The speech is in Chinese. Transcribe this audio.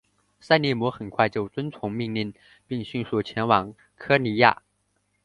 塞利姆很快就遵从命令并迅速前往科尼亚。